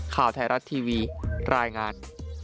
ข่าวไทยรัฐทีวีรายงาน